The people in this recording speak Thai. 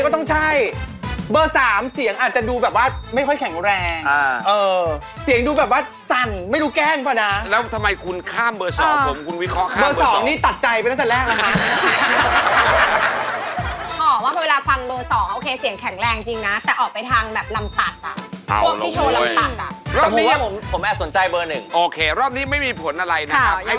ข้าวยังไม่มีคะแนนก่อนผู้กำลังไว้เฉยค่ะยังไม่มีคะแนน